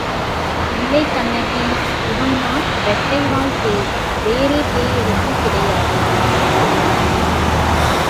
இல்லை கண்ணகி, இவன் தான் இரட்டைவால் பேய் வேறே பேயெல்லாம் கிடையாது.